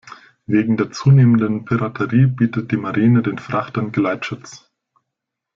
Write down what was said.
Wegen der zunehmenden Piraterie bietet die Marine den Frachtern Geleitschutz.